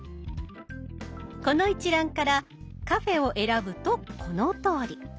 この一覧から「カフェ」を選ぶとこのとおり。